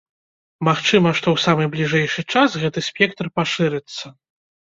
Магчыма, што ў самы бліжэйшы час гэты спектр пашырыцца.